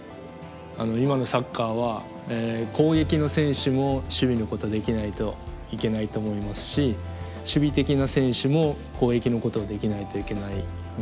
今のサッカーは攻撃の選手も守備のことできないといけないと思いますし守備的な選手も攻撃のことをできないといけない。